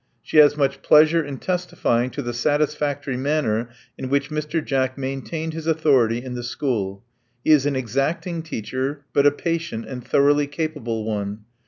She has much pleasure in testifying to the satisfactory manner in which Mr. Jack maintained his authority in the school. He is an exacting teacher, but a patient and thoroughly capable one.